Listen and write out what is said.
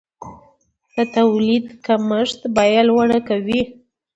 د تولید کمښت بیه لوړه کوي.